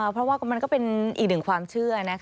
เพราะว่ามันก็เป็นอีกหนึ่งความเชื่อ